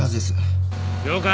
了解。